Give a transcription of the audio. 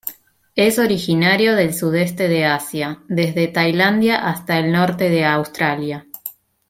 Es originario del sudeste de Asia, desde Tailandia hasta el norte de Australia.